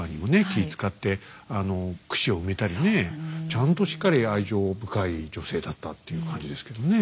気遣ってくしを埋めたりねちゃんとしっかり愛情深い女性だったっていう感じですけどね。